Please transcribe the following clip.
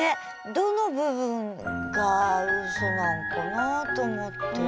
どの部分がウソなのかなあと思って。